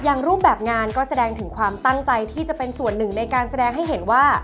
รูปแบบงานก็แสดงถึงความตั้งใจที่จะเป็นส่วนหนึ่งในการแสดงให้เห็นว่า